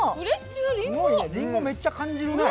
りんご、めっちゃ感じるね。